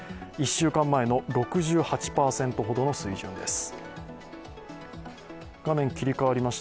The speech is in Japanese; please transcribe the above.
１週間前の６８％ほどの水準です。